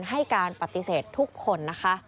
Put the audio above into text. ให้การปฏิเสธทุกคน